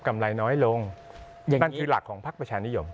ไรน้อยลงนั่นคือหลักของพักประชานิยม